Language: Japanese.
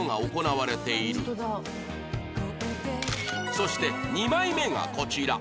そして２枚目がこちら